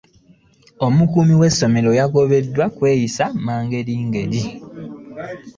Omukuumi w'essomero yagobeddwa lwa kwesiwa magengere.